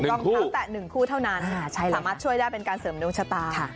รองเท้าแตะหนึ่งคู่เท่านั้นใช่เลยค่ะสามารถช่วยได้เป็นการเสริมโดยชะตาค่ะ